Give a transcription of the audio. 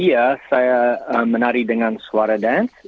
iya saya menari dengan suara dan